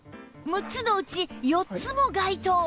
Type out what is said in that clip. ６つのうち４つも該当！